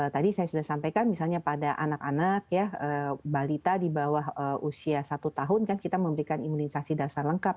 tadi saya sudah sampaikan misalnya pada anak anak ya balita di bawah usia satu tahun kan kita memberikan imunisasi dasar lengkap